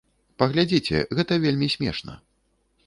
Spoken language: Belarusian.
Паглядзіце, гэта вельмі смешна.